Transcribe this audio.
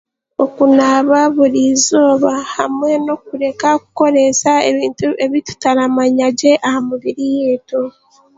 Okunaaba burizooba hamwe n'okureka kukoreesa ebintu ebi tutaramanyagye aha mibiri yaitu.